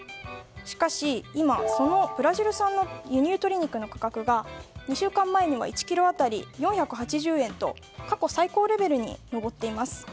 しかし、今そのブラジル産の輸入鶏肉の価格が２週間前には１ｋｇ当たり４８０円と過去最高レベルに上っています。